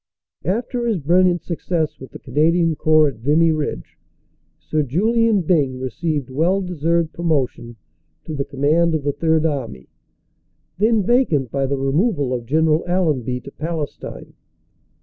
After his brilliant success with the Canadian Corps at Vimy Ridge, Sir Julian Byng received well deserved promo tion to the command of the Third Army, then vacant by the removal of General Allenby to Palestine.